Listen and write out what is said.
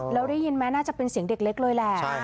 แล้วได้ยินไหมน่าจะเป็นเสียงเด็กเล็กเลยแหละ